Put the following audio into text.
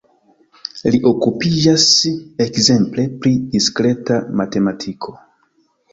Li okupiĝas ekzemple pri diskreta matematiko.